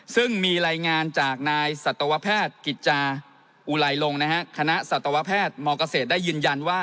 ซึ่งมีรายงานจากนายสัตวแพทย์กิจจาอุไลลงคณะสัตวแพทย์มเกษตรได้ยืนยันว่า